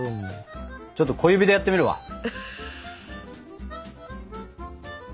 ちょっと小指でやってみるわ。